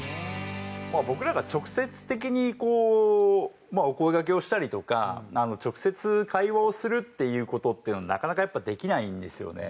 僕らが直接的にお声がけをしたりとか直接会話をするっていう事っていうのはなかなかやっぱできないんですよね。